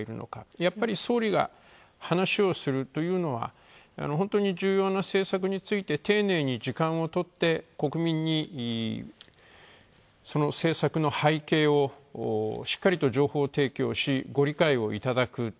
やっぱり総理が話をするというのは本当に重要な政策について丁寧に時間をとって国民に、その政策の背景をしっかりと情報提供をご理解をいただく。